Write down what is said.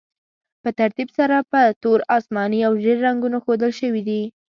په ترتیب سره په تور، اسماني او ژیړ رنګونو ښودل شوي دي.